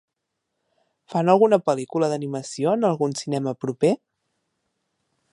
Fan alguna pel·lícula d'animació en algun cinema proper?